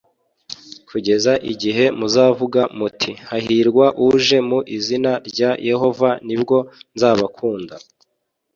kugeza igihe muzavuga muti hahirwa uje mu izina rya yehova nibwo nzabakunda